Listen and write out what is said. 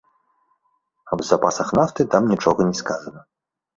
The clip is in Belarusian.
Аб запасах нафты там нічога не сказана.